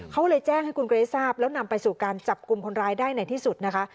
เขาเลยแจ้งให้คุณเกรททราบแล้วนำไปสู่การจับกลุ่มคนร้ายได้ในที่สุดนะคะ